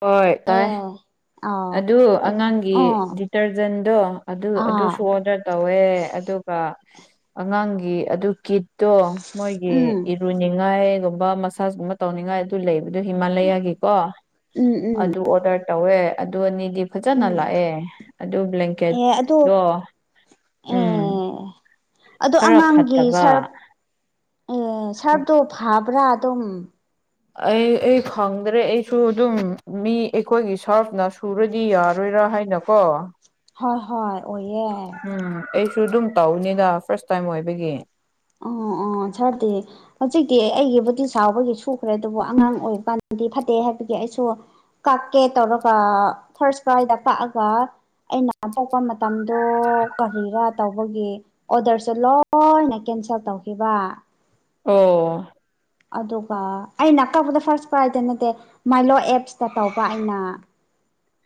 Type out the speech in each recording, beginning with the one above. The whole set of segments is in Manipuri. ꯍꯣꯏ ꯇꯥꯏ ꯑꯦ ꯑ ꯑꯗꯨ ꯑꯗ ꯑꯉꯥꯡꯒꯤ ꯑ ꯗꯤꯇꯔꯖꯦꯟꯗꯣ ꯑꯗꯨ ꯑꯥ ꯑꯗꯨꯁꯨ ꯑꯣꯗꯔ ꯇꯧꯋꯦ ꯑꯗꯨꯒ ꯑꯉꯥꯡꯒꯤ ꯑꯗꯨ ꯀꯤꯠꯇꯣ ꯃꯣꯏꯒꯤ ꯎꯝ ꯏꯠ ꯔꯨꯅꯤꯡꯉꯥꯏꯒꯨꯝꯕ ꯃꯁꯥꯖꯀꯨꯝꯕ ꯇꯧꯅꯤꯡꯉꯥꯏ ꯑꯗꯨ ꯂꯩꯕꯗꯣ ꯍꯤꯃꯥꯂꯌꯥꯒꯤꯀꯣ ꯎꯝ ꯎꯝ ꯑꯗꯨ ꯑꯣꯗꯔ ꯇꯧꯋꯦ ꯑꯗꯨ ꯑꯅꯤꯗꯤ ꯐꯖꯅ ꯎꯝ ꯂꯥꯛꯑꯦ ꯑꯗꯨ ꯑꯦ ꯑꯗꯣ ꯕ꯭ꯂꯦꯡꯀꯦꯠꯗꯣ ꯑꯦ ꯎꯝ ꯑꯗꯣ ꯈꯔ ꯑꯉꯥꯡꯒꯤ ꯐꯠꯇꯕ ꯁꯔꯞ ꯑꯦ ꯁꯔꯞꯇꯣ ꯐꯕ꯭ꯔꯥ ꯑꯗꯨꯝ ꯑꯩ ꯑꯩ ꯈꯪꯗ꯭ꯔꯦ ꯑꯩꯁꯨ ꯑꯗꯨꯝ ꯃꯤ ꯑꯩꯈꯣꯏꯒꯤ ꯁꯥꯔꯐꯅ ꯁꯨꯔꯗꯤ ꯌꯥꯔꯣꯏꯔꯥ ꯍꯥꯏꯅ ꯀꯣ ꯍꯣꯏ ꯍꯣꯏ ꯑꯣꯏꯌꯦ ꯁꯨ ꯑꯗꯨꯝ ꯇꯧꯅꯤꯗ ꯐꯥꯔꯁ ꯇꯥꯏꯝ ꯑꯣꯏꯕꯒꯤ ꯑꯣ ꯑꯣ ꯁꯔꯗꯦ ꯍꯧꯖꯤꯛꯇꯤ ꯑꯩꯒꯤꯕꯨꯗꯤ ꯁꯥꯎꯕꯒꯤ ꯁꯨꯈ꯭ꯔꯦ ꯑꯗꯨꯕꯨ ꯑꯉꯥꯡ ꯑꯣꯏꯕ ꯀꯥꯟꯗꯗꯤ ꯐꯠꯇꯦ ꯍꯥꯏꯕꯒꯤ ꯑꯩꯁꯨ ꯀꯛꯀꯦ ꯇꯧꯔꯒ ꯐꯥꯔꯁ ꯀ꯭ꯔꯥꯏꯗ ꯀꯛꯑꯒ ꯑꯩꯅ ꯄꯣꯛꯄ ꯃ ꯇꯝꯗꯣ ꯀꯔꯤꯔꯥ ꯇꯧꯕꯒꯤ ꯑꯣꯗꯔꯁꯨ ꯂꯣꯏꯅ ꯀꯦꯟꯁꯦꯜ ꯇꯧꯈꯤꯕ ꯑꯣ ꯑꯗꯨꯒ ꯑꯩꯅ ꯀꯛꯄꯗ ꯐꯥꯔꯁ ꯄ꯭ꯔꯥꯏꯇ ꯅꯠꯇꯦ ꯃꯥꯏꯂꯣ ꯑꯦꯞꯁꯇ ꯇꯧꯄ ꯑꯩꯅ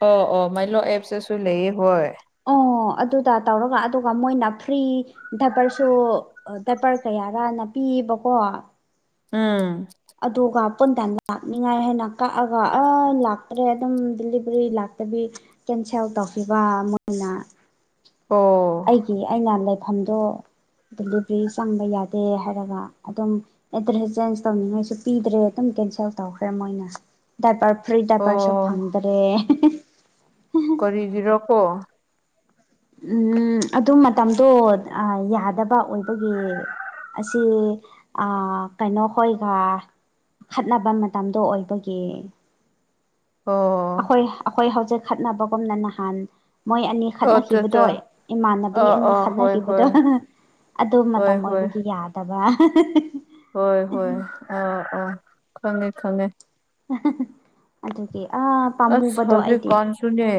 ꯑꯣ ꯑꯣ ꯃꯥꯏꯂꯣ ꯑꯦꯞꯇꯁꯨ ꯂꯩꯌꯦ ꯍꯣꯏ ꯑꯣ ꯑꯗꯨꯗ ꯇꯧꯔꯒ ꯑꯗꯨꯒ ꯃꯣꯏꯅ ꯐ꯭ꯔꯤ ꯗꯕꯔꯁꯨ ꯗꯔꯄꯔ ꯀꯌꯥꯔꯥꯅ ꯄꯤꯕꯀꯣ ꯎꯝ ꯑꯗꯨꯒ ꯄꯟꯇꯥ ꯂꯥꯛꯅꯤꯡꯉꯥꯏ ꯍꯥꯏꯅ ꯀꯛꯑꯒ ꯑ ꯂꯥꯛꯇ꯭ꯔꯦ ꯑꯗꯨꯝ ꯗꯦꯂꯤꯚꯔꯤ ꯂꯥꯛꯇꯕꯤ ꯀꯦꯟꯁꯦꯜ ꯇꯧꯈꯤꯕ ꯃꯣꯏꯅ ꯑꯣ ꯑꯩꯒꯤ ꯑꯩꯅ ꯂꯩꯐꯝꯗꯣ ꯗꯤꯂꯤꯕ꯭ꯔꯤ ꯆꯪꯕ ꯌꯥꯗꯦ ꯍꯥꯏꯔꯒ ꯑꯗꯨꯝ ꯑꯦꯗ꯭ꯔꯦꯁ ꯆꯦꯟꯖ ꯇꯧꯅꯤꯡꯉꯩꯁꯨ ꯄꯤꯗ꯭ꯔꯦ ꯑꯗꯨꯝ ꯀꯦꯟꯁꯦꯜ ꯇꯧꯈ꯭ꯔꯦ ꯃꯣꯏꯅ ꯗꯥꯏꯄꯔ ꯐ꯭ꯔꯤ ꯗꯥꯏꯄꯔꯁꯨ ꯑꯣ ꯐꯪꯗ꯭ꯔꯦ ꯀꯔꯤꯒꯤꯔꯀꯣ ꯎꯝ ꯑꯗꯨ ꯃꯇꯝꯗꯣ ꯑꯥ ꯌꯥꯗꯕ ꯑꯣꯏꯕꯒꯤ ꯑꯁꯤ ꯑꯥ ꯀꯩꯅꯣ ꯍꯣꯏꯒ ꯈꯠꯅꯕ ꯃꯇꯝꯗꯣ ꯑꯣꯏꯕꯒꯤ ꯑꯣ ꯑꯈꯣꯏ ꯑꯈꯣꯏ ꯍꯧꯖꯤꯛ ꯈꯠꯅꯕꯒꯨꯝꯅ ꯅꯍꯥꯟ ꯃꯣꯏ ꯑꯅꯤ ꯑꯣ ꯆꯥ ꯈꯠꯅꯈꯤꯕꯗꯣ ꯆꯥ ꯏꯃꯥꯟꯅꯕꯤ ꯑꯥ ꯑꯅꯤ ꯑꯥ ꯍꯣꯏ ꯈꯠꯅꯈꯤꯕꯗꯣ ꯍꯣꯏ ꯑꯗꯨ ꯍꯣꯏ ꯃꯇꯝ ꯍꯣꯏ ꯑꯣꯏꯕꯒꯤ ꯌꯥꯗꯕ ꯍꯣꯏ ꯍꯣꯏ ꯑ ꯑꯥ ꯈꯪꯉꯦ ꯈꯪꯉꯦ [unintelligible] ꯑꯗꯨꯒꯤ ꯑꯥ ꯑꯁ ꯄꯥꯝꯃꯨꯕꯗꯣ ꯍꯧꯖꯤꯛ ꯑꯩꯗꯤ ꯀꯥꯟꯁꯨꯅꯦ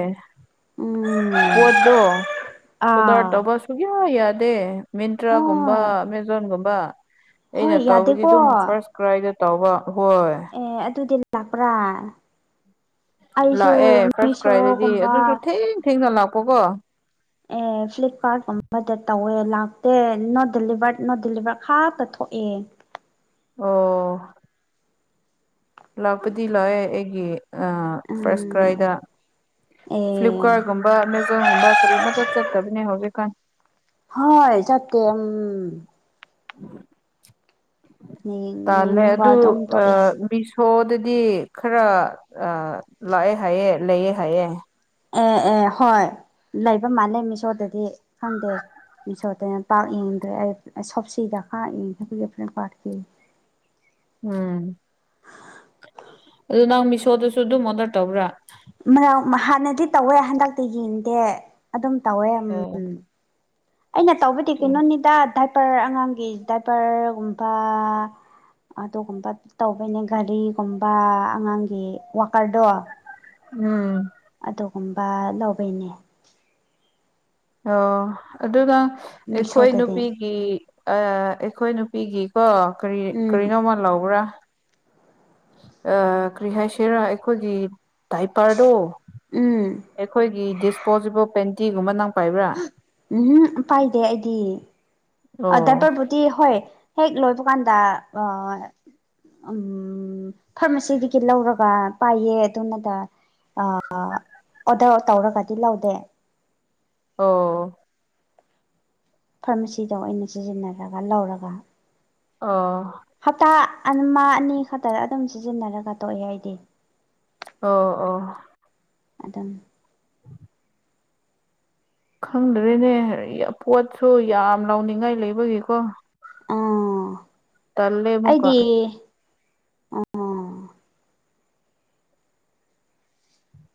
ꯎꯝ ꯄꯣꯠꯗꯣ ꯑꯥ ꯑꯣꯔꯗꯔ ꯇꯧꯕ ꯁꯨꯛꯌꯥ ꯌꯥꯗꯦ ꯃꯤꯟꯇ꯭ꯔꯥꯒꯨꯝꯕ ꯍꯣꯏ ꯑꯃꯥꯖꯣꯟꯒꯨꯝꯕ ꯍꯣꯏ ꯑꯩꯅ ꯇꯧꯕꯗꯤ ꯌꯥꯗꯦꯀꯣ ꯑꯗꯨꯝ ꯐꯥꯔꯁ ꯀ꯭ꯔꯥꯏꯗ ꯇꯧꯕ ꯍꯣꯏ ꯑꯦ ꯑꯗꯨꯗꯤ ꯂꯥꯛꯄ꯭ꯔꯥ ꯑꯩꯁꯨ ꯂꯥꯛꯑꯦ ꯐꯥꯔꯁ ꯀ꯭ꯔꯥꯏꯗꯗꯤ ꯃꯤꯁꯣꯒꯨꯝꯕ ꯑꯗꯨꯁꯨ ꯊꯦꯡ ꯊꯦꯡꯅ ꯂꯥꯛꯄꯀꯣ ꯑꯦ ꯐ꯭ꯂꯤꯞꯀꯥꯔꯠꯀꯨꯝꯕꯗ ꯇꯧꯋꯦ ꯂꯥꯛꯇꯦ ꯅꯣꯠ ꯗꯤꯂꯤꯚꯔꯠ ꯅꯣꯠ ꯗꯤꯂꯤꯚꯔꯠ ꯈꯥꯛꯇ ꯊꯣꯛꯑꯦ ꯑꯣ ꯂꯥꯛꯄꯗꯤ ꯂꯥꯛꯑꯦ ꯑꯩꯒꯤ ꯑ ꯐꯥꯔꯁ ꯀꯗꯥꯥꯏꯗ ꯎꯝ ꯑꯦ ꯐ꯭ꯂꯤꯞꯀꯥꯔꯠꯒꯨꯝꯕ ꯑꯃꯥꯖꯣꯟꯒꯨꯝꯕ ꯀꯔꯤꯃꯇ ꯆꯠꯇꯕꯅꯦ ꯍꯧꯖꯤꯛꯀꯥꯟ ꯍꯣꯏ ꯆꯇꯦ ꯎꯝ ꯌꯦꯡ ꯇꯥꯜꯂꯦ ꯌꯦꯡꯉꯒ ꯑꯗꯨ ꯑꯗꯨꯝ ꯑ ꯇꯣꯛꯑꯦ ꯃꯤꯁꯨ ꯁꯣꯗꯗꯤ ꯈꯔ ꯂꯥꯛꯑꯦ ꯍꯥꯏꯌꯦꯦ ꯂꯩꯌꯦꯦ ꯍꯥꯏꯑꯦ ꯑꯦ ꯑꯦ ꯍꯣꯏ ꯂꯩꯕ ꯃꯥꯜꯂꯦ ꯃꯤꯁꯣꯗꯗꯤ ꯈꯪꯗꯦ ꯃꯤꯁꯣꯗꯅ ꯄꯥꯛ ꯌꯦꯡꯗ꯭ꯔꯦ ꯑꯩ ꯁꯣꯞꯁꯤꯗꯀꯥ ꯌꯦꯡꯗ ꯐ ꯄꯥꯔꯠꯀꯤ ꯎꯝ ꯑꯗꯨ ꯅꯪ ꯃꯤꯁꯣꯗꯁꯨ ꯑꯗꯨꯝ ꯑꯣꯗꯔ ꯇꯧꯕ꯭ꯔꯥ ꯃꯌꯥꯝ ꯍꯥꯟꯅꯗꯤ ꯇꯧꯋꯦ ꯍꯟꯗꯛꯇꯤ ꯌꯦꯡꯗꯦ ꯑꯗꯨꯝ ꯇꯧꯋꯦ ꯎꯝ ꯑꯣ ꯑꯩꯅ ꯇꯧꯕꯗꯤ ꯀꯩꯅꯣꯅꯤꯗ ꯗꯥꯏꯕꯔ ꯑꯉꯥꯡꯒꯤ ꯗꯏꯕꯔꯒꯨꯝꯕ ꯑꯗꯨꯒꯨꯝꯕ ꯇꯧꯕꯩꯅꯦ ꯒꯥꯔꯤꯒꯨꯝꯕ ꯑꯉꯥꯡꯒꯤ ꯋꯥꯀꯔꯗꯣ ꯎꯝ ꯑꯗꯨꯒꯨꯝꯕ ꯂꯧꯕꯩꯅꯦ ꯑꯣ ꯑꯗꯨꯒ ꯑꯩꯈꯣꯏ ꯃꯤꯁꯣꯗꯗꯤ ꯅꯨꯄꯤꯒꯤ ꯑꯩꯈꯣꯏ ꯅꯨꯄꯤꯒꯤ ꯀ ꯀꯔꯤ ꯎꯝ ꯀꯔꯤꯅꯣꯃꯜ ꯂꯧꯕ꯭ꯔꯥ ꯀꯔꯤ ꯍꯥꯏꯁꯤꯔꯥ ꯑꯩꯈꯣꯏꯒꯤ ꯗꯥꯥꯏꯄꯔꯗꯣ ꯎꯝ ꯑꯩꯈꯣꯏꯒꯤ ꯗꯤꯁꯄꯣꯖꯤꯕꯜ ꯄꯦꯟꯇꯤꯒꯨꯝꯕ ꯅꯪ ꯄꯥꯏꯕ꯭ꯔꯥ ꯎꯝ ꯄꯥꯏꯗꯦ ꯑꯩꯗꯤ ꯑꯣ ꯑꯗꯕꯨ ꯗꯤ ꯍꯣꯏ ꯍꯦꯛ ꯂꯣꯏꯕ ꯀꯥꯟꯗ ꯎꯝ ꯐꯥꯔꯃꯥꯁꯤꯗꯒꯤ ꯂꯧꯔꯒ ꯄꯥꯏꯌꯦ ꯑꯗꯨꯅꯗ ꯑꯥ ꯑꯥ ꯑꯣꯗꯔ ꯇꯧꯔꯒꯗꯤ ꯂꯧꯗꯦ ꯑꯣ ꯐꯥꯔꯃꯥꯁꯤꯗ ꯑ ꯑꯣꯏꯅꯩꯅ ꯁꯤꯖꯤꯟꯅꯔꯒ ꯂꯧꯔꯒ ꯑꯣ ꯍꯞꯇꯥ ꯑꯃ ꯑꯃ ꯑꯅꯤ ꯈꯛꯇꯗ ꯑꯗꯨꯝ ꯁꯤꯖꯤꯟꯅꯔꯒ ꯇꯣꯛꯏꯦ ꯑꯩꯗꯤ ꯑꯣ ꯑꯣ ꯑꯝ ꯈꯪꯗ꯭ꯔꯦꯅꯦ ꯄꯣꯠꯁꯨ ꯌꯥꯝ ꯂꯥꯎꯅꯤꯡꯉꯥꯏ ꯂꯩꯕꯒꯤꯀꯣ ꯑꯥ ꯇꯜꯂꯦ ꯑꯃꯨꯛꯀꯥ ꯑꯩꯗꯤ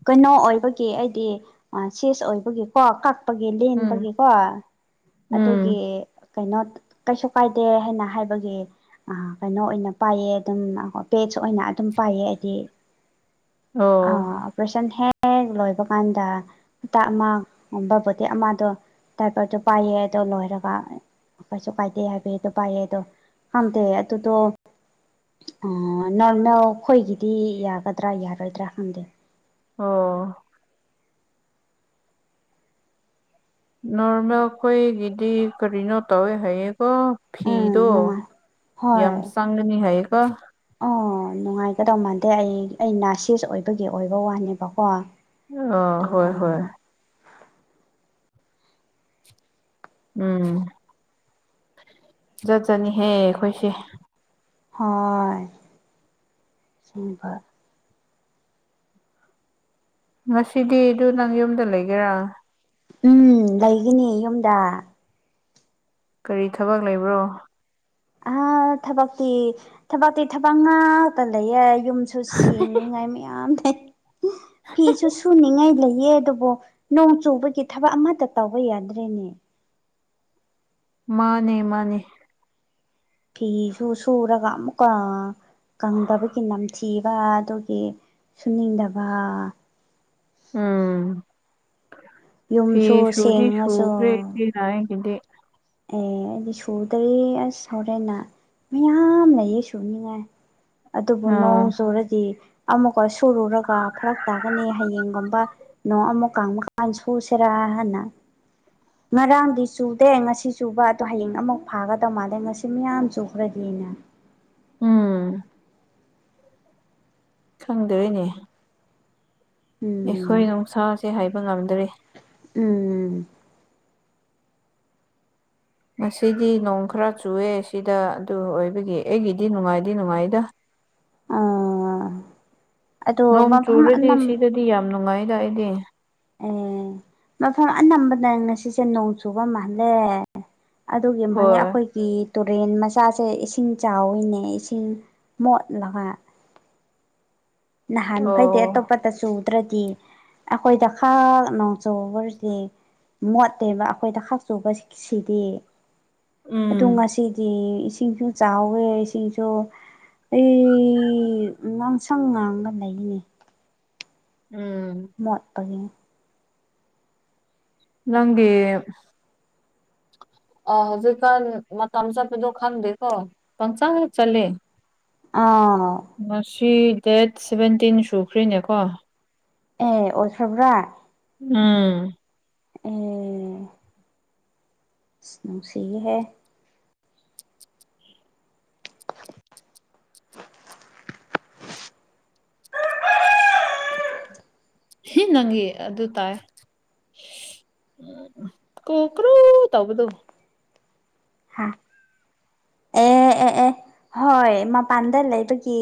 ꯀꯩꯅꯣ ꯑꯣꯏꯕꯒꯤ ꯍꯥꯏꯗꯤ ꯁꯤꯦꯁ ꯑꯣꯏꯕꯒꯤ ꯀꯣ ꯀ ꯄꯒꯤ ꯎꯝ ꯂꯦꯟꯕꯒꯤꯀꯣ ꯎꯝ ꯑꯗꯨꯒꯤ ꯀꯩꯅꯣ ꯀꯩꯁꯨ ꯀꯥꯏꯗꯦ ꯍꯥꯏꯅ ꯍꯥꯏꯕꯒꯤ ꯀꯩꯅꯣ ꯑꯣꯏꯅ ꯄꯥꯏꯌꯦ ꯑꯗꯨꯝ ꯄꯦꯖ ꯑꯣꯏꯅ ꯑꯗꯨꯝ ꯄꯥꯏꯌꯦ ꯍꯥꯏꯗꯤ [inaudible] ꯑꯥ ꯑꯣꯄ꯭ꯔꯦꯁꯟ ꯍꯦꯛ ꯂꯣꯏꯕ ꯀꯥꯟꯗ ꯍꯇꯥ ꯑꯃꯒꯨꯝꯕ ꯕꯣꯇꯤ ꯑꯃꯗꯣ ꯇꯗꯥꯥꯏꯄꯔꯗꯨꯣ ꯄꯥꯏꯌꯦ ꯑꯗꯣ ꯂꯣꯏꯔꯒ ꯀꯩꯁꯨ ꯀꯥꯏꯗꯦ ꯍꯥꯏꯕꯗꯣ ꯄꯥꯏꯌꯦ ꯑꯗꯣ ꯈꯪꯗꯦ ꯑꯗꯨꯗꯣ ꯑ ꯅꯣꯔꯃꯦꯜ ꯑꯩꯈꯣꯏꯒꯤꯗꯤ ꯌꯥꯒꯗ꯭ꯔꯥ ꯌꯥꯔꯣꯏꯗ꯭ꯔꯥ ꯈꯪꯗꯦ ꯑꯣ ꯅꯣꯔꯃꯦꯜ ꯑꯩꯈꯣꯏꯒꯤꯗꯤ ꯀꯔꯤꯅꯣ ꯇꯧꯋꯦ ꯍꯥꯏꯌꯦꯀꯣ ꯎꯝ ꯐꯤꯗꯣ ꯅꯨꯡꯉꯥꯏ ꯌꯥꯝ ꯍꯣꯏ ꯆꯪꯒꯅꯤ ꯍꯥꯏꯌꯦꯀꯣ ꯑꯣ ꯅꯨꯡꯉꯥꯏꯒꯗꯧꯕ ꯃꯥꯟꯗꯦ ꯑꯩ ꯑꯩ ꯅꯥꯁꯤꯑꯁ ꯑꯣꯏꯕꯒꯤ ꯑꯣꯏꯕ ꯋꯥꯅꯦꯕꯀꯣ ꯑ ꯍꯣꯏ ꯍꯣꯏ ꯎꯝ ꯆꯠꯆꯅꯤꯍꯦ ꯑꯩꯈꯣꯏꯁꯦ [unintelligible] ꯉꯁꯤꯗꯤ ꯑꯗꯨ ꯅꯪ ꯌꯨꯝꯗ ꯂꯩꯒꯦꯔꯥ ꯎꯝ ꯂꯩꯒꯅꯤ ꯌꯨꯝꯗ ꯀꯔꯤ ꯊꯕꯛ ꯂꯩꯕ꯭ꯔꯣ ꯑ ꯊꯕꯛꯇꯤ ꯊꯕꯛꯇꯤ ꯊꯕꯛ ꯉꯥꯛꯇ ꯂꯩꯌꯦ ꯌꯨꯝꯁꯨ ꯁꯦꯡꯅꯤꯉꯥꯏ ꯃꯌꯥꯝ ꯂꯩ ꯐꯤꯁꯨ ꯁꯨꯅꯤꯡꯉꯥꯏ ꯂꯩꯌꯦ ꯑꯗꯨꯕꯨ ꯅꯣꯡ ꯆꯨꯕꯒꯤ ꯊꯕꯛ ꯑꯃꯇ ꯇꯧꯕ ꯌꯥꯗ꯭ꯔꯦꯅꯦ ꯃꯥꯅꯦ ꯃꯥꯅꯦ ꯐꯤꯁꯨ ꯁꯨꯔꯒ ꯑꯃꯨꯛꯀ ꯀꯪꯗꯕꯒꯤ ꯅꯝꯊꯤ ꯕ ꯑꯗꯨꯒꯤ ꯁꯨꯅꯤꯡꯗꯕ ꯎꯝ ꯐꯤ ꯌꯨꯝꯁꯨ ꯁꯨꯗꯤ ꯁꯦꯡꯉꯁꯨ ꯁꯨꯈ꯭ꯔꯦ ꯏꯆꯦꯅ ꯑꯩꯒꯤꯗꯤ ꯑꯦ ꯑꯩꯗꯤ ꯁꯨꯗ꯭ꯔꯤ ꯑꯁ ꯍꯧꯔꯦꯟꯅ ꯃꯌꯥꯝ ꯂꯩꯌꯦ ꯁꯨꯅꯤꯡꯉꯥꯏ ꯑꯗꯨꯕꯨ ꯅꯣꯡ ꯑꯥ ꯆꯨꯔꯗꯤ ꯑꯃꯨꯛꯀ ꯁꯨꯔꯨꯔꯒ ꯐꯔꯛ ꯇꯥꯒꯅꯤ ꯍꯌꯦꯡꯒꯨꯝꯕ ꯅꯣꯡ ꯑꯃꯨꯛ ꯀꯪꯕ ꯀꯥꯟ ꯁꯨꯁꯤꯔꯥ ꯍꯥꯏꯅ ꯉꯔꯥꯡꯗꯤ ꯆꯨꯗꯦ ꯉꯁꯤ ꯆꯨꯕ ꯑꯗꯨ ꯍꯌꯦꯡ ꯑꯃꯨꯛ ꯐꯥꯒꯗꯧ ꯃꯥꯜꯂꯦ ꯉꯁꯤ ꯃꯤꯌꯥꯝ ꯆꯨꯈ꯭ꯔꯦ ꯍꯦꯟꯅ ꯎꯝ ꯈꯪꯗꯔꯦꯅꯦ ꯎꯝ ꯑꯩꯈꯣꯏ ꯅꯨꯡꯁꯥꯁꯦ ꯍꯥꯏꯕ ꯉꯝꯗꯔꯦ ꯎꯝ ꯉꯁꯤꯗꯤ ꯅꯣꯡ ꯈꯔ ꯆꯨꯑꯦ ꯁꯤꯗ ꯑꯗꯨ ꯑꯣꯏꯕꯒꯤ ꯑꯩꯒꯤꯗꯤ ꯅꯨꯡꯉꯥꯏꯗꯤ ꯅꯨꯡꯉꯥꯏꯗ ꯑꯥ ꯑꯗꯣ ꯅꯣꯡ ꯃꯐꯝ ꯑꯅꯝ ꯆꯨꯔꯗꯤꯁꯤꯗ ꯗꯤ ꯌꯥꯝ ꯅꯨꯡꯉꯥꯏꯗ ꯑꯩꯗꯤ ꯎꯝ ꯃꯐꯝ ꯑꯅꯝꯕꯗ ꯉꯁꯤꯁꯦ ꯅꯣꯡ ꯆꯨꯕ ꯃꯥꯜꯂꯦ ꯑꯗꯨꯒꯤ ꯃꯥꯜꯂꯦ ꯍꯣꯏ ꯑꯩꯈꯣꯏ ꯀꯤ ꯇꯨꯔꯦꯟ ꯃꯆꯥꯁꯦ ꯏꯁꯤꯡ ꯆꯥꯎꯋꯤꯅꯦ ꯏꯁꯤꯡ ꯃꯣꯠꯂꯒ ꯑꯣ ꯅꯍꯥꯟꯃꯈꯩꯗꯤ ꯑꯇꯣꯞꯄꯇ ꯆꯨ ꯇ꯭ꯔꯗꯤ ꯑꯩꯈꯣꯏꯗ ꯈꯛ ꯅꯣꯡ ꯆꯨꯕꯒꯤ ꯃꯣꯠꯇꯦꯕ ꯑꯩꯈꯣꯏꯗ ꯈꯥꯛ ꯆꯨꯕ ꯁꯤꯛ ꯁꯤꯗꯤ ꯎꯝ ꯑꯗꯨ ꯉꯁꯤ ꯗꯤ ꯏꯁꯤꯡꯁꯨ ꯆꯥꯎꯋꯦ ꯏꯁꯤꯡꯁꯨ ꯑꯩ ꯉꯥꯡꯁꯪ ꯉꯥꯡꯂ ꯂꯩꯌꯦ ꯎꯝ ꯃꯣꯠꯄꯒꯤꯅꯤ ꯅꯪꯗꯤ ꯑꯥ ꯍꯧꯖꯤꯛꯀꯥꯟ ꯃꯇꯝ ꯆꯠꯄꯗꯣ ꯈꯪꯗꯦꯀꯣ ꯄꯪꯆꯠ ꯆꯠꯂꯦ ꯑꯥ ꯉꯁꯤ ꯗꯦꯠ ꯁꯚꯦꯟꯇꯤꯟ ꯁꯨꯈ꯭ꯔꯦꯅꯦꯀꯣ ꯑꯦ ꯑꯣꯢꯈ꯭ꯔꯕꯔꯥ ꯎꯝ ꯑꯦ ꯅꯨꯡꯁꯤꯌꯦꯍꯦ ꯍꯤ ꯅꯪꯒꯤ ꯑꯗꯨ ꯇꯥꯏ ꯀꯣꯀ꯭ꯔꯨ ꯇꯧꯕꯗꯨꯨ ꯍꯥ ꯑꯦ ꯑꯦ ꯑꯦ ꯍꯣꯏ ꯃꯥꯄꯥꯟꯗ ꯂꯩꯕꯒꯤ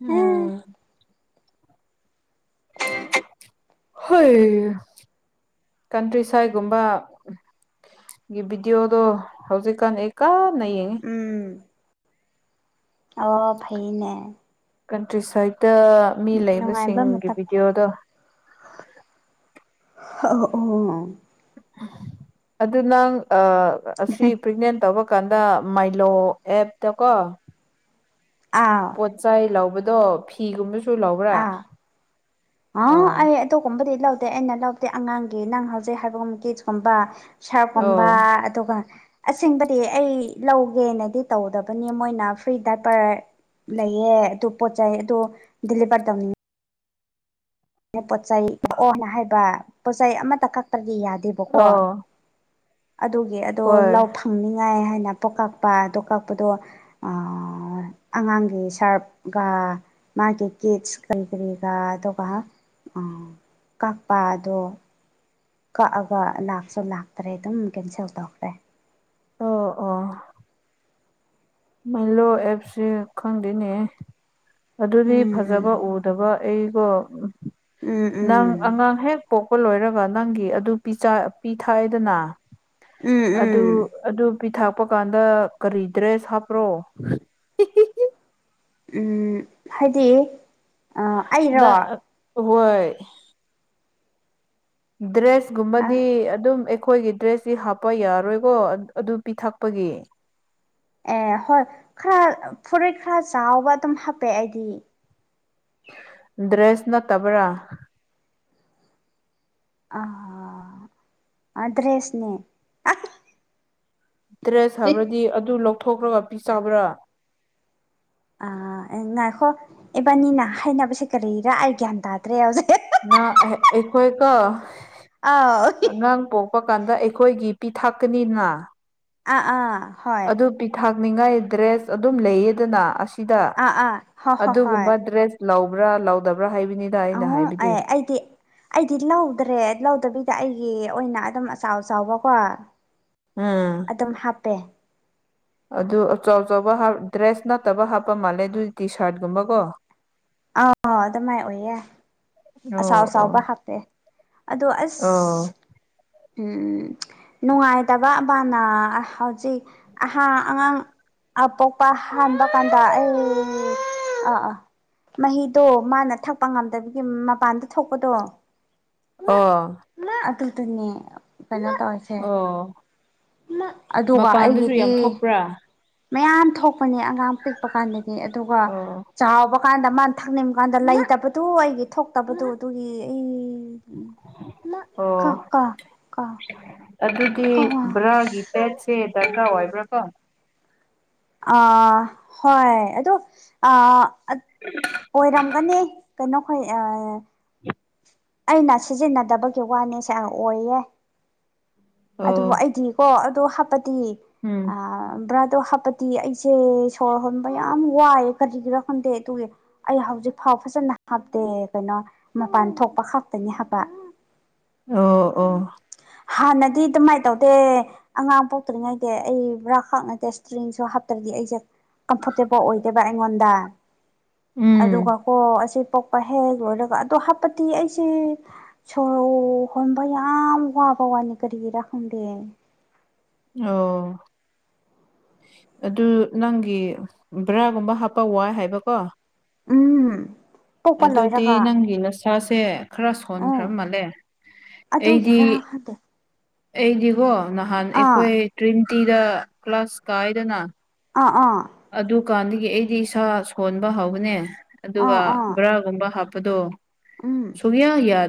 ꯎꯝ ꯍꯣꯏ ꯀꯟꯇ꯭ꯔꯤ ꯁꯥꯏꯠꯒꯨꯝꯕ ꯒꯤ ꯚꯤꯗꯤꯑꯣꯗꯣ ꯍꯧꯖꯤꯛꯀꯥꯟ ꯑꯩ ꯀꯥꯟꯅ ꯌꯦꯡꯉꯤ ꯎꯝ ꯑꯣ ꯐꯩꯌꯦꯅꯦ ꯀꯟꯇ꯭ꯔꯤ ꯁꯥꯏꯠꯇ ꯃꯤ ꯅꯨꯡꯉꯥꯏꯕ ꯂꯩꯕꯁꯤꯡꯒꯤ ꯃꯇꯝ ꯚꯤꯗꯤꯑꯣꯗꯣ ꯑꯣ ꯑꯣ ꯑꯗꯨ ꯅꯪ ꯑꯁꯤ ꯄ꯭ꯔꯦꯒꯅꯦꯟ ꯇꯧꯕ ꯀꯥꯟꯗ ꯃꯥꯏꯂꯣ ꯑꯦꯞꯇꯀꯣ ꯑꯥ ꯄꯣꯠꯆꯩ ꯂꯧꯕꯗꯣ ꯐꯤꯒꯨꯝꯕꯁꯨ ꯂꯧꯕ꯭ꯔꯥ ꯑ ꯑꯣ ꯑꯩ ꯑꯗꯨꯒꯨꯝꯕꯗꯤ ꯂꯧꯗꯦ ꯑꯩꯅ ꯂꯧꯕꯥꯗꯤ ꯑꯉꯥꯡꯒꯤ ꯅꯪ ꯍꯧꯖꯤꯛ ꯍꯥꯏꯕꯒꯨꯝ ꯀꯤꯠꯁ ꯀꯨꯝꯕ ꯁꯥ꯭ꯔꯞ ꯑꯣ ꯀꯨꯝꯕꯥ ꯑꯗꯨꯒ ꯑꯁꯦꯡꯕꯗꯤ ꯑꯩ ꯂꯧꯒꯦꯅꯗꯤ ꯇꯧꯗꯕꯅꯤ ꯃꯣꯏꯅ ꯐ꯭ꯔꯤ ꯗꯥꯏꯄꯔ ꯂꯩꯌꯦ ꯑꯗꯨ ꯄꯣꯠ ꯆꯩ ꯑꯗꯨ ꯗꯤꯂꯤꯚꯔ ꯇꯧꯅꯤꯡꯉꯤ ꯑꯩꯅ ꯄꯣꯠꯆꯩ ꯀꯛꯑꯣꯅ ꯍꯥꯏꯕ ꯄꯣꯠꯆꯩ ꯑꯃꯇ ꯀꯛꯇ꯭ꯔꯗꯤ ꯌꯥꯗꯦꯕ ꯕꯥꯀꯣ ꯑꯣ ꯑꯗꯨꯒꯤ ꯑꯗꯣ ꯍꯣꯏ ꯂꯧꯊ ꯅꯤꯡꯉꯥꯏ ꯍꯥꯏꯅ ꯄꯣꯠ ꯀꯛꯄ ꯑꯗꯣ ꯀꯛꯄꯗꯣ ꯑꯉꯥꯡꯒꯤ ꯁꯥ꯭ꯔꯞꯀ ꯃꯥꯒꯤ ꯀꯤꯠꯁ ꯀꯔꯤ ꯀꯔꯤꯒ ꯑꯗꯨꯒ ꯀꯛꯄ ꯑꯗꯣ ꯀꯛꯑꯒ ꯂꯥꯛꯁꯨ ꯂꯥꯛꯇ꯭ꯔꯦ ꯑꯗꯨꯝ ꯀꯦꯟꯁꯦꯜ ꯇꯧꯈ꯭ꯔꯦ ꯑꯣ ꯑꯣ ꯃꯥꯏꯂꯣ ꯑꯦꯞꯁꯤ ꯈꯪꯗꯦꯅꯦ ꯑꯗꯨꯗꯤ ꯎꯝ ꯐꯖꯕ ꯎꯗꯕ ꯑꯩꯀꯣ ꯎꯝ ꯅꯪ ꯎꯝ ꯑꯉꯥꯡ ꯍꯦꯛ ꯄꯣꯛꯄ ꯂꯣꯏꯔꯒ ꯅꯪꯒꯤ ꯑꯗꯨ ꯄꯤꯖꯥ ꯄꯤꯊꯛ ꯑꯦꯗꯥꯅꯥ ꯎꯝ ꯎꯝ ꯑꯗꯨ ꯑꯗꯨ ꯄꯤꯊꯛꯄ ꯀꯥꯟꯗ ꯀꯔꯤ ꯗ꯭ꯔꯦꯁ ꯍꯥꯞꯄ꯭ꯔꯣ ꯎꯝ ꯍꯥꯏꯗꯤ ꯑꯥ ꯅꯥ ꯍꯣꯏ ꯑ ꯗ꯭ꯔꯦꯁꯀꯨꯝꯕꯗꯤ ꯑꯗꯨꯝ ꯑꯩꯈꯣꯏꯒꯤ ꯗ꯭ꯔꯦꯁ ꯁꯤ ꯍꯥꯞꯄ ꯌꯥꯔꯣꯏꯀꯣ ꯑꯗꯨ ꯄꯤꯊꯛꯄꯒꯤ ꯑꯦ ꯍꯣꯏ ꯈꯔ ꯐꯨꯔꯤꯠ ꯈꯔ ꯆꯥꯎꯕ ꯑꯗꯨꯝ ꯍꯥꯞꯄꯦ ꯑꯩꯗꯤ ꯗ꯭ꯔꯦꯁ ꯅꯠꯇꯕ꯭ꯔꯥ ꯑ ꯑ ꯗ꯭ꯔꯦꯁꯅꯦ ꯗ꯭ꯔꯦꯁ ꯍꯥꯞꯔꯗꯤ ꯑꯗꯨ ꯂꯧꯊꯣꯛꯈ꯭ꯔꯒ ꯄꯤꯆꯥꯕ꯭ꯔꯥ ꯉꯥꯏꯈꯣ ꯏꯕꯥꯅꯤꯅ ꯍꯥꯏꯅꯕꯁꯦ ꯀꯔꯤꯔꯥ ꯑꯩ ꯒ꯭ꯌꯥꯟ ꯇꯥꯗ꯭ꯔꯦ ꯍꯧꯖꯤꯛ ꯅꯪ ꯑꯩꯈꯣꯏꯀꯣ ꯑꯥꯎ ꯑꯉꯥꯡ ꯄꯣꯛ ꯄ ꯀꯥꯟꯗ ꯑꯩꯈꯣꯏꯒꯤ ꯄꯤꯊꯛꯀꯅꯤꯅ ꯑꯥ ꯑꯥ ꯍꯣꯏ ꯑꯗꯨ ꯄꯤꯊꯥꯛꯅꯤꯉꯥꯏ ꯗ꯭ꯔꯦꯁ ꯑꯗꯨꯝ ꯂꯩꯌꯦꯗꯅ ꯑꯁ ꯁꯤꯗ ꯑꯥ ꯑꯥ ꯍꯣꯏ ꯍꯣꯏ ꯍꯣꯏ ꯑꯗꯨꯒꯨꯝꯕ ꯗ꯭ꯔꯦꯁ ꯂꯧꯕ꯭ꯔꯥ ꯂꯧꯗꯕ꯭ꯔꯥ ꯍꯥꯏꯕꯅꯤ ꯑ [unintelligible] ꯑꯦ ꯑꯩꯗꯤ ꯑꯩꯗꯤ ꯂꯧꯗ꯭ꯔꯦ ꯂꯧꯗꯕꯤꯗ ꯑꯩꯒꯤ ꯑꯣꯏꯅ ꯑꯗꯨꯝ ꯑꯆꯥꯎ ꯑꯆꯥꯎꯕꯀꯣ ꯎꯝ ꯑꯗꯨꯝ ꯍꯥꯞꯄꯦ ꯑꯗꯨ ꯑꯆꯧ ꯑꯆꯧꯕꯥ ꯗ꯭ꯔꯦꯁ ꯅꯠꯇꯕ ꯍꯥꯞꯄ ꯃꯥꯜꯂꯦ ꯑꯗꯨꯗꯤ ꯇꯤ ꯁꯥ꯭ꯔꯠ ꯀꯨꯝꯕꯀꯣ ꯑ ꯑꯗꯨ ꯃꯥꯏꯅ ꯑꯣꯏꯌꯦ ꯑꯆꯥꯎ ꯑꯣ ꯑꯣ ꯑꯆꯥꯎꯕ ꯍꯥꯞꯇꯦ ꯑꯗꯨ ꯑꯣ ꯑꯁ ꯎꯝ ꯅꯨꯡꯉꯥꯏꯇꯕ ꯑꯃꯅꯥ ꯍꯧꯖꯤꯛ ꯑꯍꯥ ꯑꯉꯥꯡ ꯑꯄꯣꯛꯄ ꯍꯥꯟꯕ ꯀꯥꯟꯗ ꯑ ꯑ ꯑꯥ ꯃꯍꯤꯗꯣ ꯃꯥꯅ ꯊꯛꯄ ꯉꯝꯗꯕꯒꯤ ꯃꯄꯥꯟꯗ ꯊꯣꯛꯄꯗꯣ ꯑꯣ ꯃꯥ ꯑꯗꯨꯗꯅꯦ ꯀꯩꯅꯣ ꯇꯧꯔꯤꯁꯦ ꯑꯣ ꯑꯗꯨꯒ ꯃꯄꯥꯟꯗꯁꯨ ꯑꯩꯒꯤꯗꯤ ꯌꯥꯝ ꯊꯣꯛꯄ꯭ꯔꯥ ꯃꯌꯥꯝ ꯊꯣꯛꯄꯅꯦ ꯑꯉꯥꯡ ꯄꯤꯛꯄ ꯀꯥꯟꯗꯗꯤ ꯑꯗꯨꯒ ꯑꯣ ꯆꯥꯎꯕ ꯀꯥꯟꯗ ꯃꯥꯅ ꯊꯛꯅꯤꯡꯕ ꯀꯥꯟꯗ ꯂꯩꯇꯕꯗꯨ ꯑꯩꯒꯤ ꯊꯣꯛꯇꯕꯗꯨ ꯑꯗꯨꯒꯤ ꯑꯩ [unintelligible] [unintelligible] ꯀꯥ ꯑꯣ ꯀꯥ ꯑꯗꯨꯗꯤ ꯕ꯭ꯔꯥꯒꯤ ꯄꯦꯠꯁꯦ ꯗꯔꯀꯥꯔ ꯑꯣꯏꯕ꯭ꯔꯥ ꯀꯣ ꯑꯥ ꯍꯣꯏ ꯑꯗꯨ ꯑꯥ ꯑꯣꯏꯔꯝꯒꯅꯤ ꯀꯩꯅꯣꯈꯣꯏ ꯑꯩꯅ ꯁꯤꯖꯤꯟꯅꯗꯕꯒꯤ ꯋꯥꯅꯦꯁꯦ ꯌꯥꯝ ꯑꯣꯏꯌꯦ ꯑꯣ ꯑꯗꯨꯕꯨ ꯑꯩꯗꯤ ꯀ ꯑꯗꯣ ꯍꯥꯞꯄꯠꯇꯗꯤ ꯎꯝ ꯑ ꯭ꯔꯥꯗꯣ ꯍꯥ ꯗꯤ ꯑꯩꯁꯦ ꯁꯣꯔ ꯍꯣꯟꯕ ꯌꯥꯝ ꯋꯥꯏꯑꯦ ꯀꯔꯤꯒꯤꯔꯥ ꯈꯪꯗꯦ ꯑꯗꯨꯒꯤ ꯑꯩ ꯍꯧꯖꯤꯛꯐꯥꯎ ꯐꯖꯅ ꯍꯥꯞꯇꯦ ꯀꯩꯅꯣ ꯃꯄꯥꯟ ꯊꯣꯛꯄ ꯈꯞꯇꯅꯤ ꯍꯥꯞꯄ ꯑꯣ ꯑꯣ ꯍꯥꯟꯅꯗꯤ ꯑꯗꯨꯃꯥꯏꯅ ꯇꯧꯗꯦ ꯑꯉꯥꯡ ꯄꯣꯛꯇ꯭ꯔꯤꯉꯩꯗ ꯑꯩ ꯕꯔꯥ ꯈꯛ ꯅꯠꯇꯦ ꯏꯁꯇ꯭ꯔꯤꯡꯁꯨ ꯍꯥꯞꯇ꯭ꯔꯗꯤ ꯑꯩꯁꯦ ꯀꯝꯐꯣꯔꯇꯦꯕꯜ ꯑꯣꯏꯗꯦꯕ ꯑꯩꯉꯣꯟꯗ ꯎꯝ ꯑꯗꯨꯒ ꯀꯣ ꯑꯁꯤ ꯋꯥ ꯍꯦꯛ ꯂꯣꯏꯔꯒ ꯑꯗꯣ ꯍꯥꯞꯄꯗꯤ ꯑꯩꯁꯦ ꯁꯣꯔ ꯍꯣꯟꯕ ꯌꯥꯝ ꯋꯥꯕꯋꯥꯅꯤ ꯀꯔꯤ ꯒꯤꯔꯥ ꯈꯪꯗ ꯑꯣ ꯑꯗꯨ ꯅꯪꯒꯤ ꯕꯔꯥꯒꯨꯝꯕ ꯍꯥꯞꯄ ꯋꯥꯏ ꯍꯥꯏꯕꯀꯣ ꯎꯝ ꯄꯣꯛꯄ ꯑꯗꯨꯗꯤ ꯂꯣꯏꯔꯒ ꯅꯪꯒꯤ ꯅꯁꯥꯁꯦ ꯈꯔ ꯁꯣꯟꯈ꯭ꯔꯃꯜꯂꯦ ꯑꯗꯨꯒꯤꯔꯥ ꯈꯪꯗꯦ ꯑꯩꯗꯤꯀꯣ ꯅꯍꯥꯟ ꯑꯥ ꯑꯩꯈꯣꯏ ꯇ꯭ꯔꯤꯝꯇꯤꯗ ꯀ꯭ꯂꯥꯁ ꯀꯥꯏꯗꯅ ꯑꯥ ꯑꯥ ꯑꯗꯨꯀꯥꯟꯗꯒꯤ ꯑꯩꯗꯤ ꯏꯁꯥ ꯁꯣꯟꯕ ꯍꯥꯎꯒꯅꯦ ꯑꯥ ꯑꯗꯨꯒ ꯑꯥ ꯕ꯭ꯔꯥꯒꯨꯝꯕ ꯍꯥꯞꯄꯗꯣ ꯎꯝ ꯁꯨꯛꯌꯥ ꯌꯥꯗ